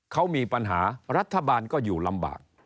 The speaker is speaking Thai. เขามีปัญหารัฐบาลก็อยู่ลำบาก